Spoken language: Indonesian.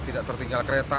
tidak tertinggal kereta